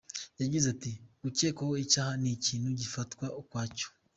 Yagize ati “Gukekwaho icyaha ni ikintu gifatwa ukwacyo.